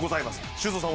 修造さん